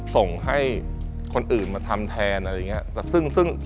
ส่งให้คนอื่นมาทำแทนอะไรอย่างนี้